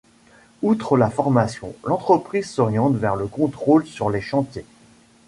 Outre la formation, l'entreprise s'oriente vers le contrôle sur les chantiers.